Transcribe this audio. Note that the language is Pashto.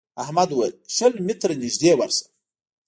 احمد وويل: شل متره نږدې ورشه.